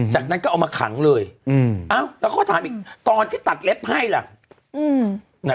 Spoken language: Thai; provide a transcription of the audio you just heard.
จากนั้นก็เอามาขังเลยแล้วเขาก็ถามอีกตอนที่ตัดเล็บให้ล่ะ